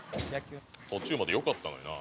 「途中まで良かったのにな」